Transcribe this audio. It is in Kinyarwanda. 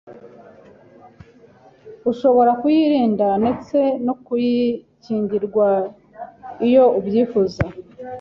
ushobora kuyirinda ndetse no kuyikingirwa iyo ubyifuza.